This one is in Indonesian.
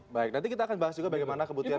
baik nanti kita akan bahas juga bagaimana kebutuhan